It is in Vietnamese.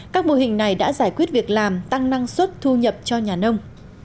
các mô hình này đã giải quyết việc làm tăng năng suất thu nhập cho nhà nông